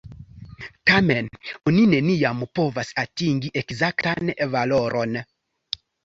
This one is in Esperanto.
Tamen, oni neniam povas atingi ekzaktan valoron.